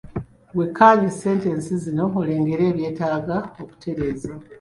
Wekkaanye sentensi zino olengere ebyetaaga okutereeza.